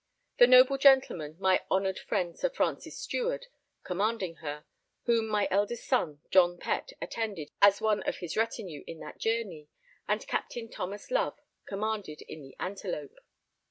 The noble gentleman, my honoured friend, Sir Francis Steward, commanding in her, whom my eldest son, John Pett, attended as one of his retinue in that journey, and Captain Thomas Love commanded in the Antelope.